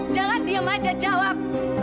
jangan diem aja jawab